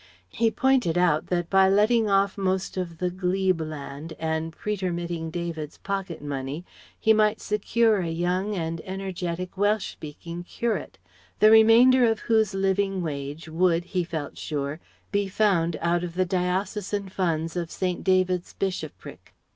He pointed out that by letting off most of the glebe land and pretermitting David's "pocket money" he might secure a young and energetic Welsh speaking curate, the remainder of whose living wage would he felt sure be found out of the diocesan funds of St. David's bishopric.